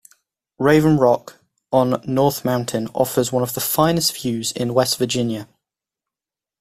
Raven Rock, on North Mountain, offers one of the finest views in West Virginia.